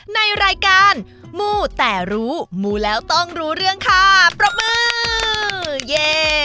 ในรายการมูแต่รู้มูแล้วต้องรู้เรื่องค่ะปรบมือเย่